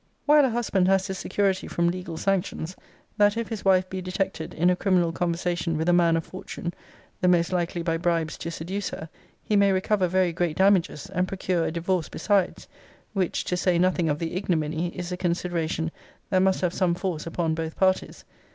While a husband has this security from legal sanctions, that if his wife be detected in a criminal conversation with a man of fortune, (the most likely by bribes to seduce her,) he may recover very great damages, and procure a divorce besides: which, to say nothing of the ignominy, is a consideration that must have some force upon both parties.